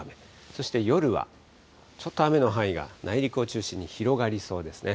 そして、夜はちょっと雨の範囲が内陸を中心に広がりそうですね。